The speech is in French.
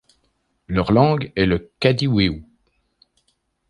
Leur langue est le kadiwéu.